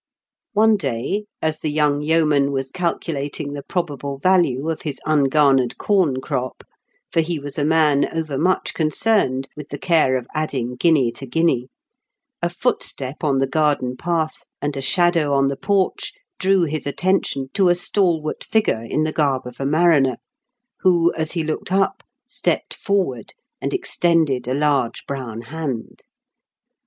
One day, as the young yeoman was cal culating the probable value of his ungarnered corn crop (for he was a man over much con cerned with the care of adding guinea to guinea), a footstep on the garden path and a shadow on the porch drew his attention to a stalwart figure in the garb of a mariner, who, as he looked up, stepped forward and extended a large brown hand.